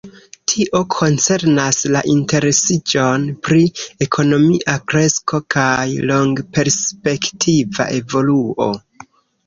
Tio koncernas la interesiĝon pri ekonomia kresko kaj longperspektiva evoluo.